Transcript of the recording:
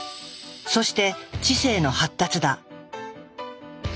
そして知性の発達だ。